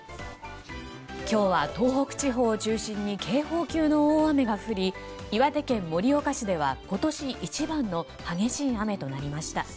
今日は東北地方を中心に警報級の大雨が降り岩手県盛岡市では今年一番の激しい雨となりました。